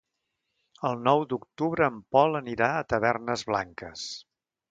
El nou d'octubre en Pol anirà a Tavernes Blanques.